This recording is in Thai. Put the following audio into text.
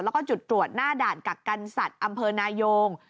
แล้วก็จุดตรวจหน้าด่านกักกันสัตว์อำเภอนายง